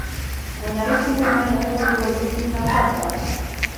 وَنَرِثُهُ مَا يَقُولُ وَيَأْتِينَا فَرْدًا